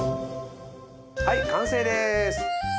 はい完成です！